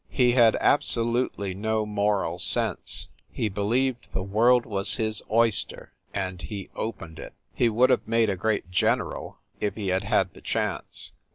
He had absolutely no moral sense he believed the world was his oyster and he opened it. He would have made a great general, if he had had the chance.